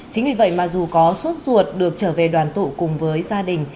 chính vì vậy mà dù có suốt ruột được trở về đoàn tụ cùng với gia đình